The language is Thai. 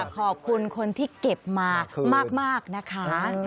ขอบคุณคนที่เก็บมามากนะคะ